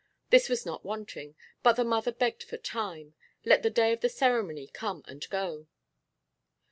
This was not wanting, but the mother begged for time. Let the day of the ceremony come and go.